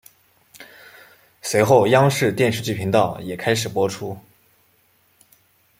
随后央视电视剧频道也开始播出。